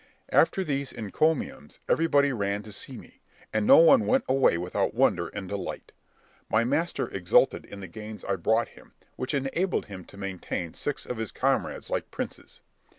After these encomiums everybody ran to see me, and no one went away without wonder and delight. My master exulted in the gains I brought him, which enabled him to maintain six of his comrades like princes.